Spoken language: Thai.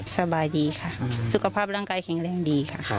สบายดีค่ะสุขภาพร่างกายแข็งแรงดีค่ะ